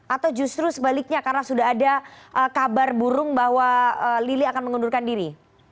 atau justru sebaliknya karena sudah ada kabar burung bahwa lili akan mengundurkan diri